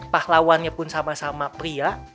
pahlawannya pun sama sama pria